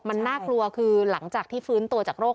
มันน่ากลัวคือหลังจากที่ฟื้นตัวจากโรค